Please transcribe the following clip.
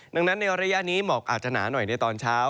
ดังนั้นในระยะนี้หมอกอาจจะหนาหน่อยในตอนเช้า